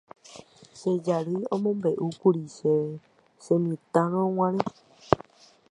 Che jarýi omombe'úkuri chéve chemitãrõguare